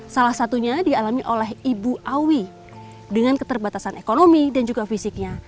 salah satunya dialami oleh ibu awi dengan keterbatasan ekonomi dan juga fisiknya